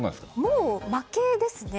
もう負けですね。